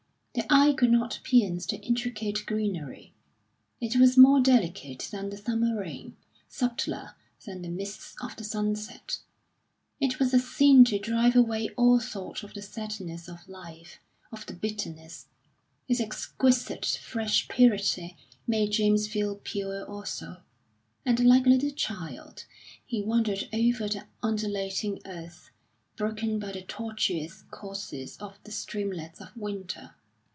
The eye could not pierce the intricate greenery; it was more delicate than the summer rain, subtler than the mists of the sunset. It was a scene to drive away all thought of the sadness of life, of the bitterness. Its exquisite fresh purity made James feel pure also, and like a little child he wandered over the undulating earth, broken by the tortuous courses of the streamlets of winter.